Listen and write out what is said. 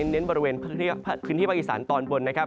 เน้นบริเวณพื้นที่ภาคอีสานตอนบนนะครับ